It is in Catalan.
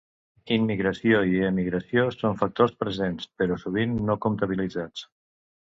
Immigració i emigració són factors presents, però sovint no comptabilitzats.